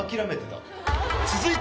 続いて。